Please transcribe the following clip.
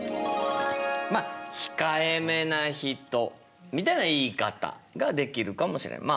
まあ控えめな人みたいな言い方ができるかもしれない。